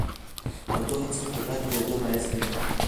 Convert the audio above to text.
تودوخه څنګه په ګاز د بدلیدو باعث ګرځي؟